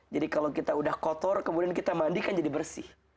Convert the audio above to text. jadi kalau kita udah kotor kemudian kita mandikan jadi bersih